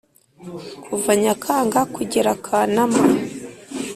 kuva nyakanga kugerakanama,.